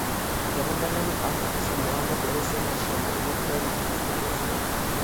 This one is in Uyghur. پەيغەمبەرلەرنىڭ ئاخىرقىسى مۇھەممەد ئەلەيھىسسالامنىڭ شەنى ئۇلۇغ، دەرىجىسى ئۈستۈن بولسۇن.